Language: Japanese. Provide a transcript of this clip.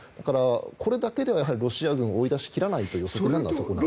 これだけではロシア軍を追い出し切らないということだと思います。